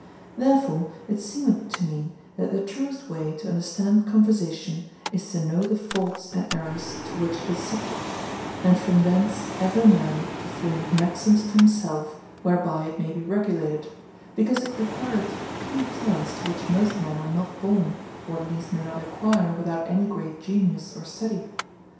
Therefore it seemeth to me, that the truest way to understand conversation, is to know the faults and errors to which it is subject, and from thence every man to form maxims to himself whereby it may be regulated, because it requireth few talents to which most men are not born, or at least may not acquire without any great genius or study.